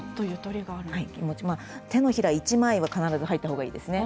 手のひら１枚が必ず入った方がいいですね。